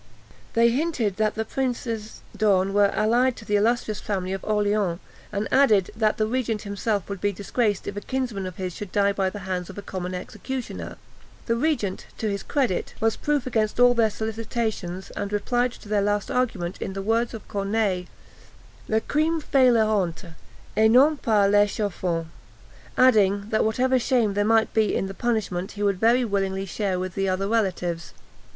They hinted that the Princes d'Horn were allied to the illustrious family of Orleans; and added, that the regent himself would be disgraced if a kinsman of his should die by the hands of a common executioner. The regent, to his credit, was proof against all their solicitations, and replied to their last argument in the words of Corneille: "Le crime fait la honte, et non pas l'échafaud:" adding, that whatever shame there might be in the punishment he would very willingly share with the other relatives.